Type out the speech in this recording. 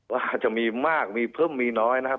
ว่าจะมีมากมีเพิ่มมีน้อยนะครับ